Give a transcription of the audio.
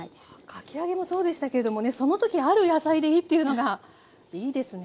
かき揚げもそうでしたけれどもねその時ある野菜でいいっていうのがいいですね。